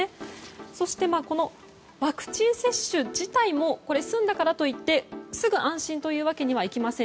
そして、このワクチン接種自体も済んだからといってすぐ安心というわけにはいきません。